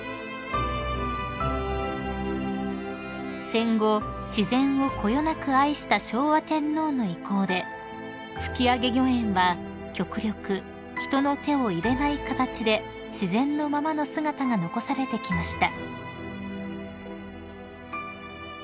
［戦後自然をこよなく愛した昭和天皇の意向で吹上御苑は極力人の手を入れない形で自然のままの姿が残されてきました］